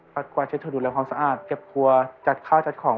ฟัดกวาดเช็ดทุนดูแลความสะอาดเก็บครัวจัดข้าวจัดของ